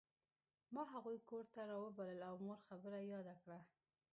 ما هغوی کور ته راوبلل او مور خبره یاده کړه